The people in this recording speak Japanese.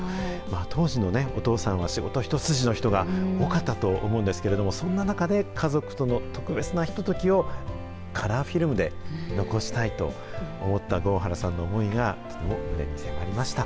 当時のお父さんは仕事一筋の人が多かったと思うんですけれども、そんな中で、家族との特別なひとときをカラーフィルムで残したいと思った合原さんの思いが、胸に迫りました。